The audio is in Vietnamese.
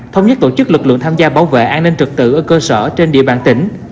thống nhất tổ chức lực lượng tham gia bảo vệ an ninh trực tự ở cơ sở trên địa bàn tỉnh